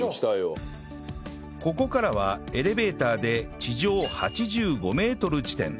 ここからはエレベーターで地上８５メートル地点